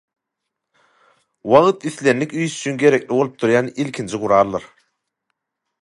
Wagt islendik iş üçin gerekli bolup durýan ilkinji guraldyr.